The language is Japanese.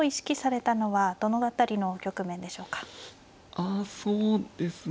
ああそうですね。